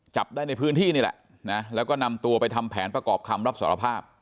จับได้ในพื้นที่นี่แหละนะแล้วก็นำตัวไปทำแผนประกอบคำรับสารภาพ